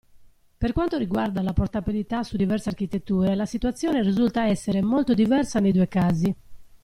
Per quanto riguarda la portabilità su diverse architetture la situazione risulta essere molto diversa nei due casi.